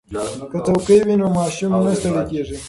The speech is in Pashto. که څوکۍ وي نو ماشوم نه ستړی کیږي.